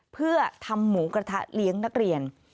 เพื่อทำหมูกระทะเลี้ยงนักเรียน